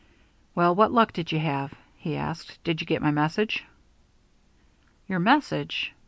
"Well, what luck did you have?" he asked. "Did you get my message?" "Your message?